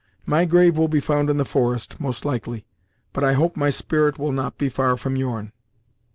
My grave will be found in the forest, most likely, but I hope my spirit will not be far from your'n."